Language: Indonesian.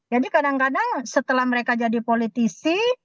jadi kadang kadang setelah mereka jadi politisi